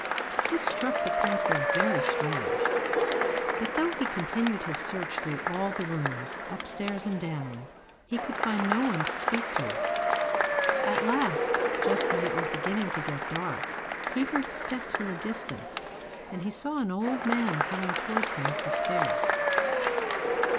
This struck the prince as very strange; but though he continued his search through all the rooms, upstairs and down, he could find no one to speak to. At last, just as it was beginning to get dark, he heard steps in the distance and he saw an old man coming towards him up the stairs.